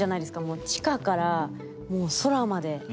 もう地下からもう空まで。